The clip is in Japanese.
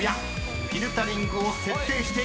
［フィルタリングを設定しているのは？］